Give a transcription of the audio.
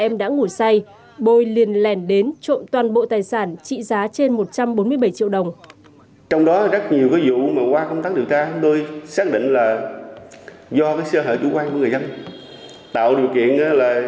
em đã ngủ say bôi liền lèn đến trộm toàn bộ tài sản trị giá trên một trăm bốn mươi bảy triệu đồng